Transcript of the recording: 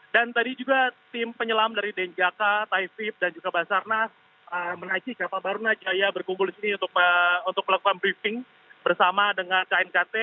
dan tadi juga tim penyelam dari denjaka taisip dan juga basarna menaiki kapal barunajaya berkumpul disini untuk melakukan briefing bersama dengan knct